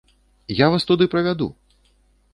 Я вас туды правяду!